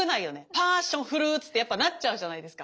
パーッションフルーツってやっぱなっちゃうじゃないですか。